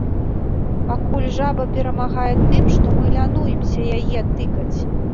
Пакуль жаба перамагае тым, што мы лянуемся яе тыкаць.